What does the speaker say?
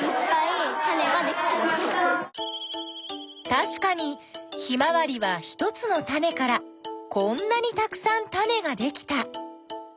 たしかにヒマワリは１つのタネからこんなにたくさんタネができた。